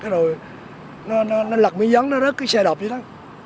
rồi nó lật miếng vấn nó rớt cái xe đập vậy đó